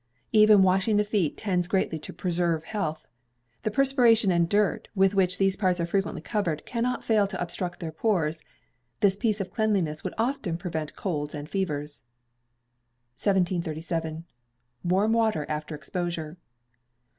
Even washing the feet tends greatly to preserve health. The perspiration and dirt with which these parts are frequently covered, cannot fail to obstruct their pores. This piece of cleanliness would often prevent colds and fevers. 1737. Warm Water After Exposure.